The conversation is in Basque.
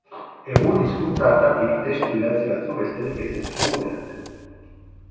Egun, hizkuntza hartatik testu idatzi batzuk besterik ez zaizkigu geratzen.